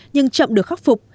nhưng chậm được khắc phục